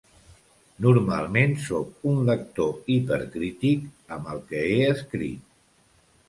Normalment sóc un lector hipercrític amb el que he escrit.